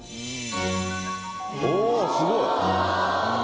おぉすごい。